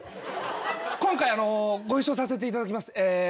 今回あのご一緒させていただきますえ